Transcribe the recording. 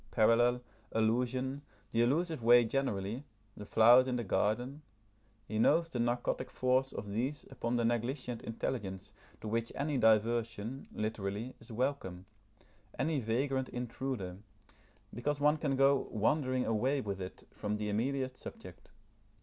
Parallel, allusion, the allusive way generally, the flowers in the garden: he knows the narcotic force of these upon the negligent intelligence to which any diversion, literally, is welcome, any vagrant intruder, because one can go wandering away with it from the immediate subject.